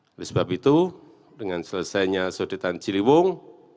oleh sebab itu dengan selesainya sodetan ciliwung